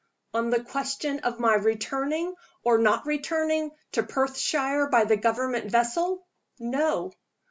On the question of my returning, or not returning, to Perthshire by the Government vessel? No.